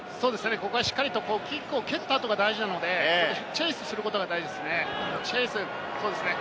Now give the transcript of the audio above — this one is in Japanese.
ここはしっかりとキックを蹴った後が大事なので、チェイスすることが大事ですね。